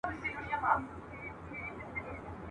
شپه مي نیمی که له آذانه پر ما ښه لګیږي !.